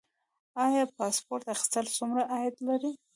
آیا پاسپورت اخیستل څومره عاید لري؟